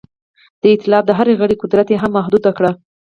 د ایتلاف د هر غړي قدرت یې هم محدود کړ.